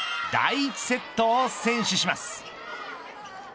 第１セットを先取します。